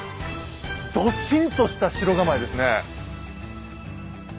ドシンとした城構えですね。